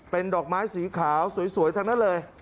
เป็นดอกไม้สีขาวสวยทั้งนั้นเลย